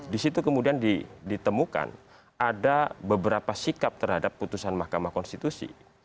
di situ kemudian ditemukan ada beberapa sikap terhadap putusan mahkamah konstitusi